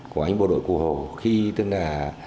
của anh bộ đội cụ hồ khi tức là